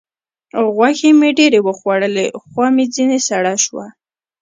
غوښې مې ډېرې وخوړلې؛ خوا مې ځينې سړه سوه.